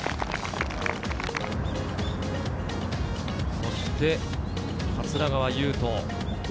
そして桂川有人。